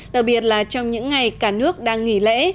đặc biệt là trong những ngày cả nước đang nghỉ lễ